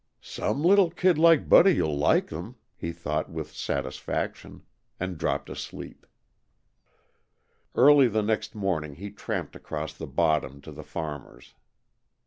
"Some little kid like Buddy'll like them," he thought with satisfaction, and dropped asleep. Early the next morning he tramped across the "bottom" to the farmer's.